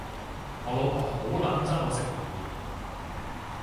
我老婆好撚憎我食榴槤